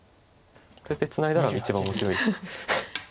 これでツナいだら一番面白いです。